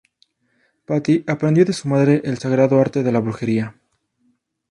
Patty aprendió de su madre el sagrado arte de la brujería.